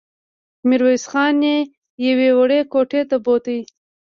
ميرويس خان يې يوې وړې کوټې ته بوت.